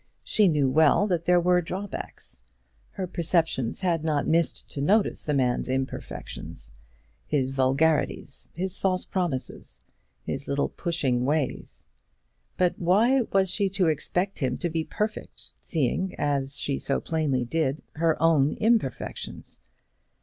She knew well that there were drawbacks. Her perceptions had not missed to notice the man's imperfections, his vulgarities, his false promises, his little pushing ways. But why was she to expect him to be perfect, seeing, as she so plainly did, her own imperfections?